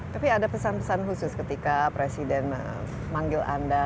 tapi ada pesan pesan khusus ketika presiden manggil anda